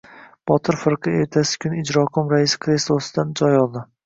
Botir firqa ertasi kuni ijroqo‘m raisi kreslosidan joy oldi.